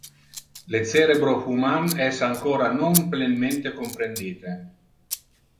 Le cerebro human es ancora non plenmente comprendite.